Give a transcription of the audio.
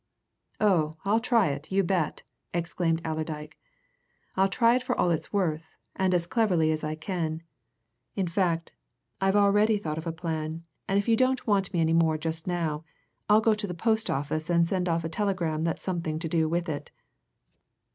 "Oh, I'll try it, you bet!" exclaimed Allerdyke. "I'll try it for all it's worth, and as cleverly as I can. In fact, I've already thought of a plan, and if you don't want me any more just now, I'll go to the post office and send off a telegram that's something to do with it."